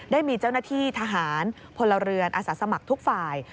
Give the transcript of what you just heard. ได้มีเจ้าหน้าที่ทหารพลเรือนอาสาสมัครทุกฝ่าย